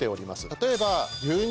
例えば。